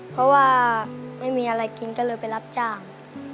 เพราะว่าไม่มีอะไรกินก็เลยไปรับจ้าง